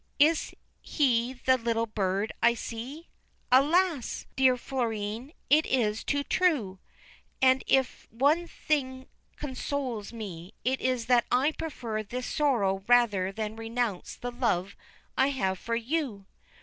' Is he the little bird I see?' 'Alas! dear Florine, it is too true! And, if one thing consoles me, it is that I prefer this sorrow rather than renounce the love I have for you.'